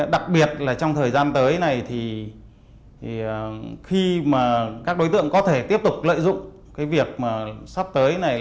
đặc biệt là trong thời gian tới này thì khi mà các đối tượng có thể tiếp tục lợi dụng cái việc mà sắp tới này